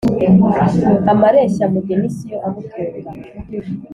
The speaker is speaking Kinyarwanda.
Amareshya mugeni siyo amutunga.